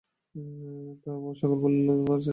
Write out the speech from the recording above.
সকলে বলিল, ওলা-চিনির ডেলার মত।